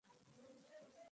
আমি কি যাবো?